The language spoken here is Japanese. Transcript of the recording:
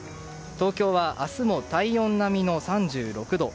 東京は明日も体温並みの３６度。